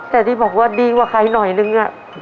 แต่หนูบอกว่าดีอังกฤษใกว่าใครหน่อยนึง